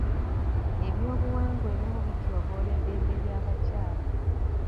Eby'obuwangwa ebimu bityoboola eddembe ly'abakyala.